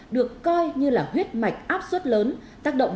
được coi như là huyết mạch áp suất lớn